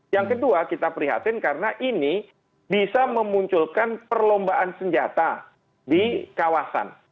yang kedua kita prihatin karena ini bisa memunculkan perlombaan senjata di kawasan